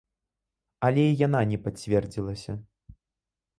Але і яна не пацвердзілася.